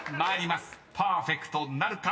［パーフェクトなるか？